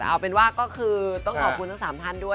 เอาเป็นว่าก็คือต้องขอบคุณทั้ง๓ท่านด้วย